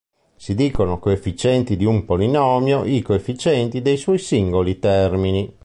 Si dicono "coefficienti" di un polinomio i coefficienti dei suoi singoli termini.